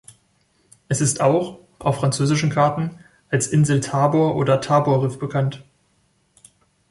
Es ist auch – auf französischen Karten – als Insel Tabor oder Tabor-Riff bekannt.